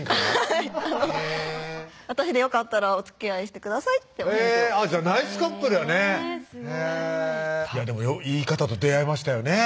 はい「私でよかったらおつきあいしてください」ってじゃあナイスカップルやねすごいでもいい方と出会いましたよね